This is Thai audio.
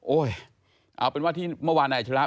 โอ๊ยเอาเป็นว่าที่เมื่อวานไหนเฉล้า